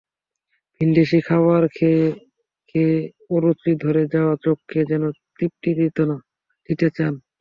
ভিনদেশি খাবার খেয়ে খেয়ে অরুচি ধরে যাওয়া চোখকেও যেন তৃপ্তি দিতে চান।